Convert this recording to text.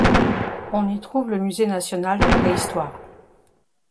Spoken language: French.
On y trouve le musée national de préhistoire.